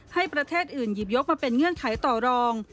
ให้ประเทศอื่นหยิบยกมาเป็นเงื่อนไขต่อรอง